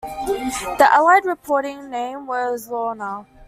The Allied reporting name was Lorna.